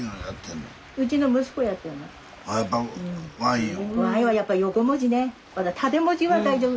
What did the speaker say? ああやっぱワインを。